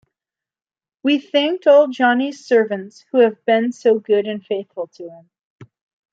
We thanked all Johnnie's servants who have been so good and faithful to him.